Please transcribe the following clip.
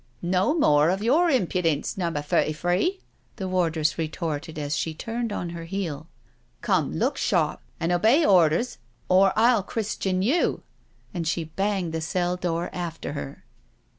" No more of your impudence, Number Thirty three," the wardress retorted as she turned on her heel. *' Come, look sharp, an' obey orders or I'll Christian you." And she banged the cell door after her.